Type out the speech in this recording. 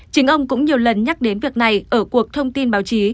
chính ông cũng nhiều lần nhắc đến việc này ở cuộc thông tin báo chí